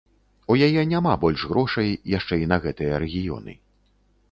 У яе няма больш грошай яшчэ і на гэтыя рэгіёны.